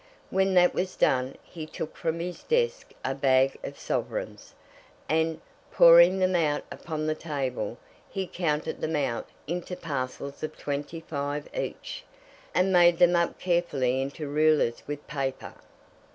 When that was done, he took from his desk a bag of sovereigns, and, pouring them out upon the table, he counted them out into parcels of twenty five each, and made them up carefully into rouleaus with paper.